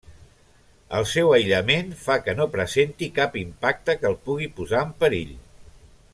El seu aïllament fa que no presenti cap impacte que el pugui posar en perill.